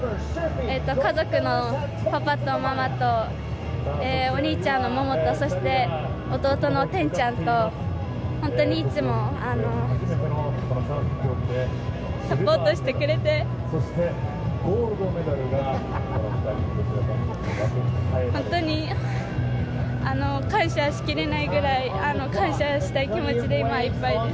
家族のパパとママとお兄ちゃんと、弟のてんちゃんと、本当にいつも、サポートしてくれて、本当に感謝しきれないくらい、感謝したい気持ちで今、いっぱいです。